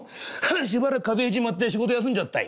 「しばらく風邪ひいちまって仕事休んじゃったい。